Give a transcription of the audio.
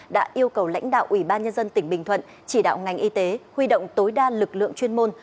đã yêu cầu lãnh đạo ủy ban nhân dân tỉnh bình thuận chỉ đạo ngành y tế huy động tối đa lực lượng chuyên môn